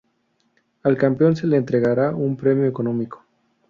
Al campeón se le entregará un premio económico.